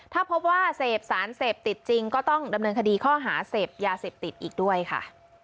ถ้าพบว่าเสพสารเสพติดจริงก็ต้องดำเนินคดีข้อหาเสพยาเสพติดอีกด้วยค่ะ